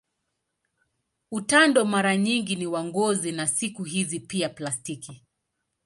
Utando mara nyingi ni wa ngozi na siku hizi pia plastiki.